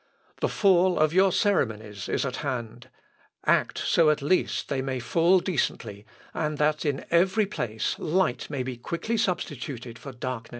The fall of your ceremonies is at hand; act so at least that they may fall decently, and that in every place light may be quickly substituted for darkness."